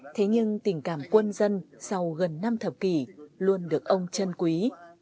thế nhưng tình cảm quân dân sau gần năm thập kỷ luôn được ông chân quý